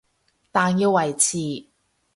但要維持